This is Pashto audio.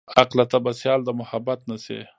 عقله ته به سيال د محبت نه شې.